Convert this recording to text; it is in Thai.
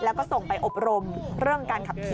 แล้วก็ส่งไปอบรมเรื่องการขับขี่